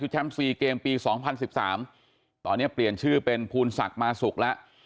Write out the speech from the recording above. ชุดแชมป์สี่เกมปีสองพันสิบสามตอนเนี้ยเปลี่ยนชื่อเป็นภูนศักดิ์มาสุกแล้ว